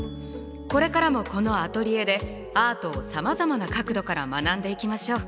これからもこのアトリエでアートをさまざまな角度から学んでいきましょう。